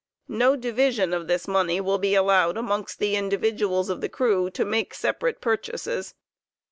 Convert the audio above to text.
No division of this money will be allowed amongst the individuals of the crew to make separate purchases.